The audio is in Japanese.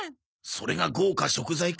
それが豪華食材か？